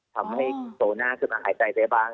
ทำให้โต้หน้าคือก็หายใจไปบ้าง